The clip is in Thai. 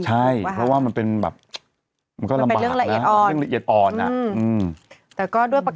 ใช่เพราะว่ามันเป็นแบบ